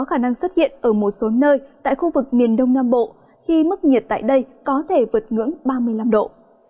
nhiều biến động đáng kể ngày đêm trên khu vực cũng chưa có khả năng xuất hiện ở một số nơi tại khu vực miền nam bộ khi mức nhiệt tại đây có thể vượt ngưỡng ba mươi năm độ